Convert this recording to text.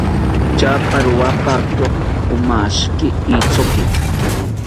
Tyapa rowapakiro amashiki ithoki